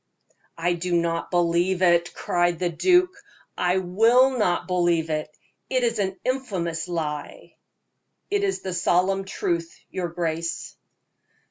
"I do not believe it!" cried the duke. "I will not believe it! It is an infamous lie." "It is the solemn truth, your grace."